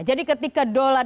jadi ketika dollar